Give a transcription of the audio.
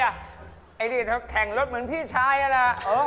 อันนี้เขาแข่งรถเหมือนพี่ชายนะ